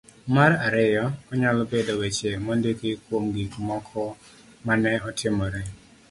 ma ariyo .Onyalo bedo weche mondiki kuom gik moko ma ne otimore..